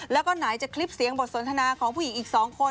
แล้วก็ไหนจะคลิปเสียงบทสนทนาของผู้หญิงอีก๒คน